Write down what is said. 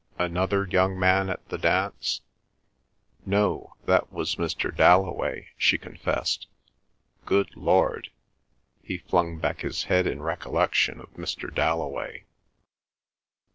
"Another young man at the dance?" "No. That was Mr. Dalloway," she confessed. "Good Lord!" he flung back his head in recollection of Mr. Dalloway.